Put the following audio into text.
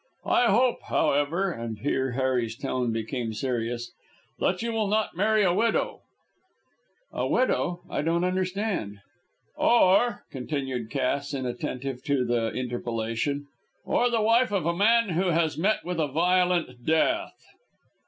I hope, however," and here Harry's tone became serious, "that you will not marry a widow." "A widow! I don't quite understand." "Or," continued Cass, inattentive to the interpolation, "or the wife of a man who has met with a violent death."